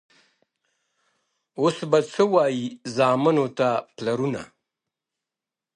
اوس به څه وايي زامنو ته پلرونه.